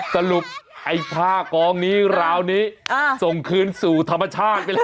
สรุปไอ้ผ้ากองนี้ราวนี้ส่งคืนสู่ธรรมชาติไปแล้ว